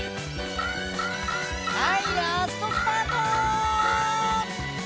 はいラストスパート！